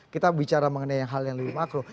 kita bicara mengenai hal yang lebih makro